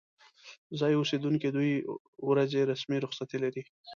ځايي اوسیدونکي دوې ورځې رسمي رخصتي لري.